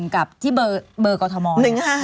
๑๙๑กับที่เบอร์กรณ์๐๕